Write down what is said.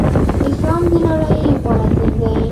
اسلام د نړی غوره دین دی.